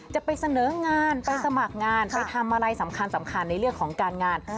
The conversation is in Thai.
จะไปเสนองานไปสมัครงานไปทำอะไรสำคัญในเรื่องของการงาน